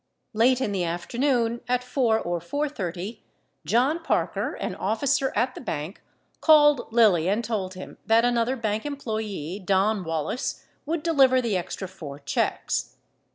37 Late in the afternoon, at 4 or 4:30, John Parker, an officer at the bank, called Lilly and told him that another bank employee, Don Wallace, would deliver the extra four checks.